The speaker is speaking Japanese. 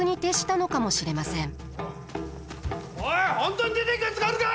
おい本当に出ていくやつがあるか！